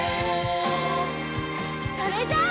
それじゃあ。